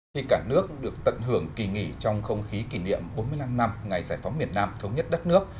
khi cả nước được tận hưởng kỳ nghỉ trong không khí kỷ niệm bốn mươi năm năm ngày giải phóng miền nam thống nhất đất nước